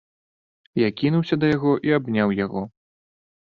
Я кінуўся да яго і абняў яго.